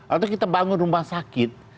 atau kita bangun rumah sakit